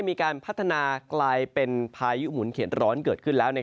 มีการพัฒนากลายเป็นพายุหมุนเข็ดร้อนเกิดขึ้นแล้ว